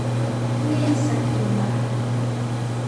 咩實驗嚟